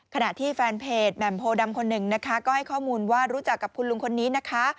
ขณะที่แฟนเพจแหม่มโพดำคนหนึ่งนะคะก็ให้ข้อมูลว่ารู้จักกับคุณลุงคนนี้นะคะ